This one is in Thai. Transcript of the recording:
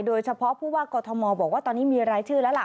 เฉพาะผู้ว่ากอทมบอกว่าตอนนี้มีรายชื่อแล้วล่ะ